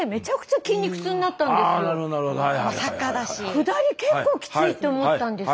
下り結構きついって思ったんです。